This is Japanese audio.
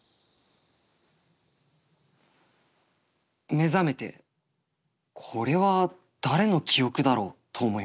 目覚めてこれは誰の記憶だろうと思います。